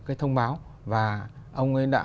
cái thông báo và ông ấy đã